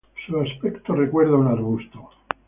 Su aspecto recuerda a un arbusto.